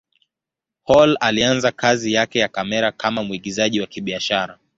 Hall alianza kazi yake ya kamera kama mwigizaji wa kibiashara.